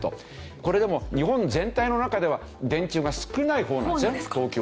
これでも日本全体の中では電柱が少ない方なんですよ東京は。